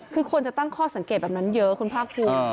คือคนจะตั้งข้อสังเกตแบบนั้นเยอะคุณภาคภูมิ